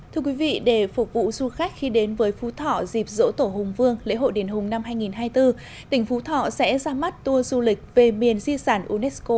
thưa quý vị để phục vụ du khách khi đến với phú thọ dịp dỗ tổ hùng vương lễ hội đền hùng năm hai nghìn hai mươi bốn tỉnh phú thọ sẽ ra mắt tour du lịch về miền di sản unesco